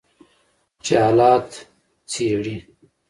چې حالات څیړي